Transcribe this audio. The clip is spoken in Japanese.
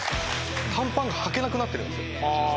短パンがはけなくなってるんですよ。